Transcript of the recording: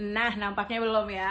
nah nampaknya belum ya